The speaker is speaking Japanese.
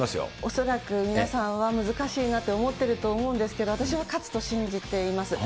恐らく皆さんは難しいなと思ってると思うんですけど、私は勝つと信じています。